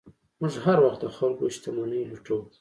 موږ هر وخت د خلکو شتمنۍ لوټو.